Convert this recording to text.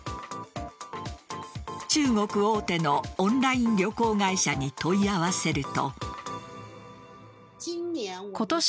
中国大手のオンライン旅行会社に問い合わせると。